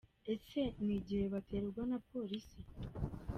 Ese ni igihe baterwa na police?